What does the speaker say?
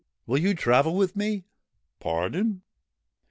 : Will you travel with me ?'' Pardon